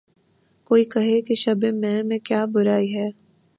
کوئی کہے کہ‘ شبِ مہ میں کیا برائی ہے